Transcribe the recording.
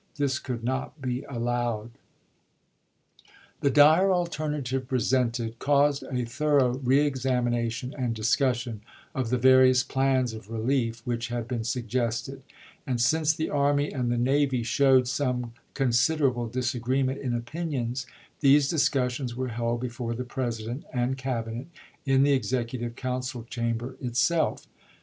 This could not be allowed." The dire alternative presented caused a thorough reexamination and discussion of the various plans of relief which had been suggested ; and since the army and the navy showed some considerable dis agreement in opinions, these discussions were held before the President and Cabinet in the executive council chamber itself.